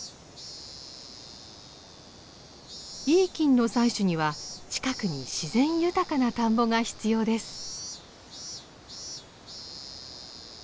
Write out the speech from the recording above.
いい菌の採取には近くに自然豊かな田んぼが必要です。